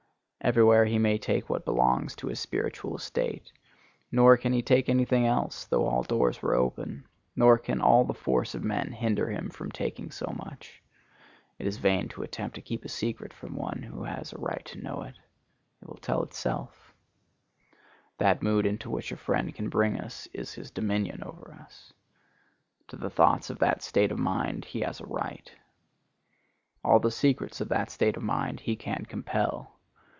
Everywhere he may take what belongs to his spiritual estate, nor can he take any thing else though all doors were open, nor can all the force of men hinder him from taking so much. It is vain to attempt to keep a secret from one who has a right to know it. It will tell itself. That mood into which a friend can bring us is his dominion over us. To the thoughts of that state of mind he has a right. All the secrets of that state of mind he can compel.